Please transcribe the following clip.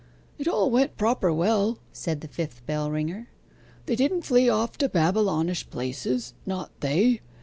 'It all went proper well,' said the fifth bell ringer. 'They didn't flee off to Babylonish places not they.